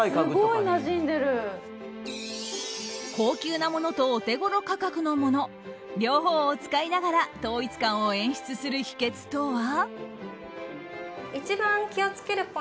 高級なものとお手ごろ価格のもの両方を使いながら統一感を演出する秘訣とは？